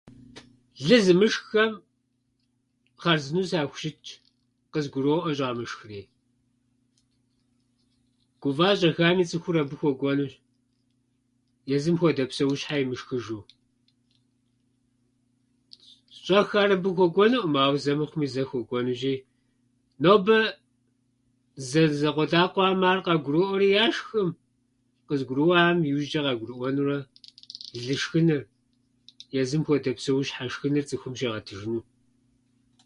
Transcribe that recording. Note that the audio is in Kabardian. Лы зымышххэм хъарзынэу сахущытщ. Къызгуроӏуэ щӏамышхри. Гува щӏэхами, цӏыхур абы хуэкӏуэнущ, езым хуэдэ псэущхьэ имышхыжу. Щӏэх ар абы хуэкӏуэнуӏым, ауэ зэ мыхъумэ зэ хуэкӏуэнущи, нобэ зэ- закъуэтӏакъуэхьэм ар къагуроӏуэри яшхкӏым. Къызыгурымыӏуэхьэм иужьчӏэ къагурыӏуэнурэ, лы шхыныр, езым хуэдэ псэущхьэ шхыныр цӏыхум щигъэтыжыну.